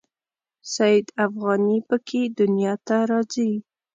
سید افغاني په کې دنیا ته راځي.